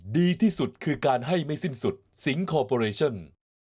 ดีที่สุดคือการให้ไม่สิ้นสุดสิงคอร์ปอเรชั่น